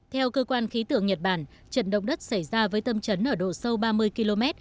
theo cơ quan khí tượng nhật bản trận động đất xảy ra với tâm trấn ở độ sâu ba mươi km